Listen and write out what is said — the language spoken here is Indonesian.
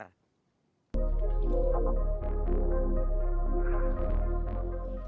itu tempat yang tak bisa dihitung